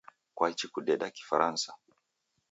Kwaichi kudeda Kifaransa?